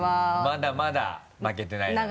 まだまだ負けてないなと。